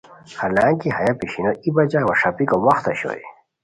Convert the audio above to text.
حالانکہ ہیہ پشینو ای بجہ وا ݰپیکو وخت اوشوئے۔